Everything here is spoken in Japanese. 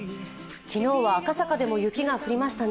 昨日は赤坂でも雪が降りましたね。